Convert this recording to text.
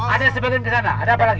ada yang sebelah sana ada apa lagi